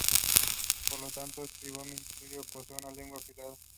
Por lo tanto, atractivo y misterioso, posee una lengua afilada.